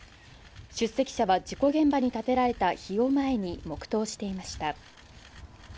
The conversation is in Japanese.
出席者は事故現場に建てられた碑を前に黙とうしていました。